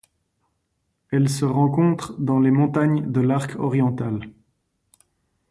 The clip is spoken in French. Elle se rencontre dans les montagnes de l'Arc oriental.